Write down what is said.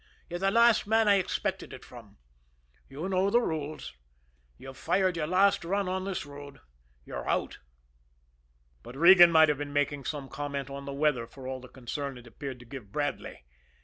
"You're the last man I expected it from. You know the rules. You've fired your last run on this road. You're out." But Regan might have been making some comment on the weather for all the concern it appeared to give Bradley.